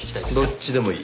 どっちでもいい。